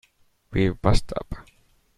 We've bust up.